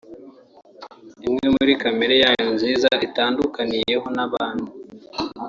imwe muri kamere yayo nziza itandukaniyeho n’abantu